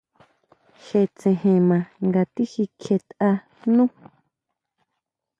Je tséjen maa nga tijikjietʼa nú.